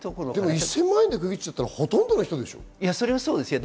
１０００万円で区切ると、ほとんどの人でしょ。